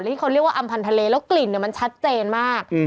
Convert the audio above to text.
ที่เขาเรียกว่าอำพันธ์ทะเลแล้วกลิ่นมันชัดเจนมาก